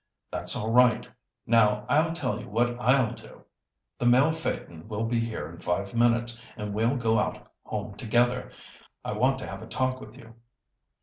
"That's all right. Now I'll tell you what I'll do. The mail phaeton will be here in five minutes, and we'll go out home together. I want to have a talk with you.